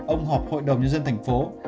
ông họp hội đồng nhân dân tp hcm